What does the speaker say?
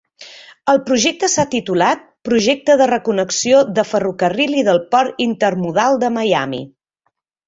El projecte s'ha titulat "Projecte de Reconnexió del Ferrocarril i del Port Intermodal de Miami".